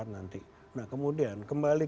nanti nah kemudian kembali